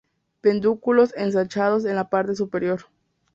Pedúnculos ensanchados en la parte superior.